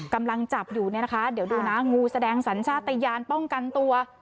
กำลังจับอยู่เนี่ยนะคะเดี๋ยวดูนะงูแสดงสัญชาติยานป้องกันตัว